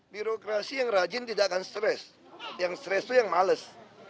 birokrasi yang rajin tidak akan stres yang stres itu yang males